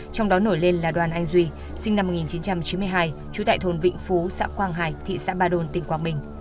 trong đó nổi lên là đoàn anh duy sinh năm một nghìn chín trăm chín mươi hai trú tại thôn vĩnh phú xã quang hải thị xã ba đồn tỉnh quảng bình